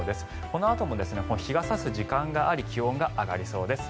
このあとも日が差す時間があり気温が上がりそうです。